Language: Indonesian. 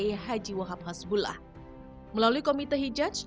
pada tahun seribu sembilan ratus dua belas nu menerima keuntungan di indonesia